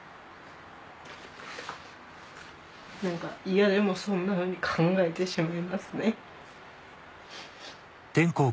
嫌でもそんなふうに考えてしまいますね。